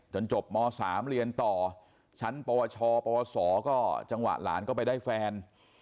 จบม๓เรียนต่อชั้นปวชปวสก็จังหวะหลานก็ไปได้แฟน